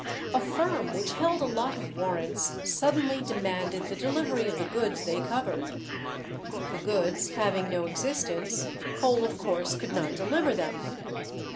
A firm which held a lot of warrants suddenly demanded the delivery of the goods they covered. The goods having no existence, Cole of course could not deliver them.